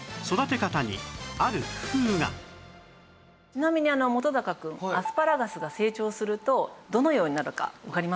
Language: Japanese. ちなみに本くんアスパラガスが成長するとどのようになるかわかりますか？